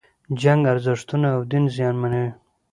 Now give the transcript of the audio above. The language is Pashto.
جنگ ارزښتونه او دین زیانمنوي.